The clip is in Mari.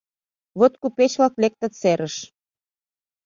Вот купеч-влак лектыт серыш